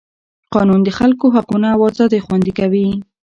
قانون د خلکو حقونه او ازادۍ خوندي کوي.